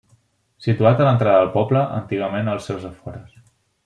Situat a l'entrada del poble, antigament als seus afores.